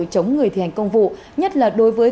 chống người thi hành công vụ nhất là đối với